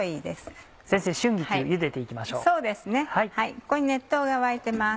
ここに熱湯が沸いてます。